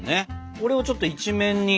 これをちょっと一面に。